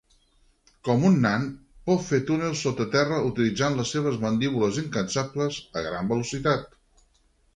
Com un nan, pot fer túnels sota terra utilitzant les seves mandíbules incansables a gran velocitat.